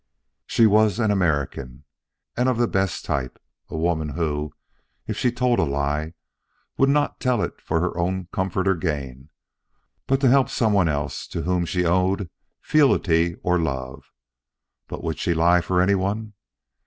She was an American and of the best type, a woman who, if she told a lie, would not tell it for her own comfort or gain, but to help some one else to whom she owed fealty or love. But would she lie for anyone?